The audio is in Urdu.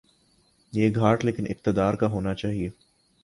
یہ گھاٹ لیکن اقتدارکا ہو نا چاہیے۔